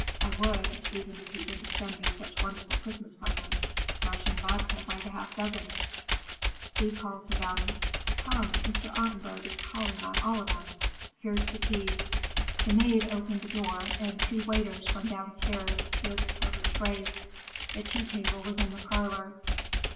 I would, even if he didn't send me such wonderful Christmas presents: Russian vodka by the half dozen!" Thea called to them, "Come, Mr. Ottenburg is calling on all of us. Here's the tea." The maid opened the door and two waiters from downstairs appeared with covered trays. The tea table was in the parlor.